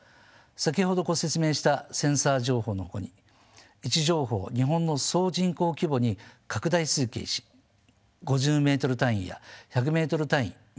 先ほどご説明したセンサー情報のほかに位置情報を日本の総人口規模に拡大推計し５０ｍ単位や１００ｍ単位メッシュの単位ですね。